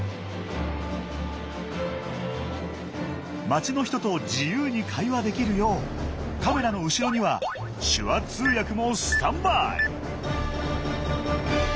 街の人と自由に会話できるようカメラの後ろには手話通訳もスタンバイ。